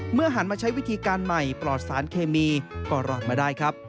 หันมาใช้วิธีการใหม่ปลอดสารเคมีก็รอดมาได้ครับ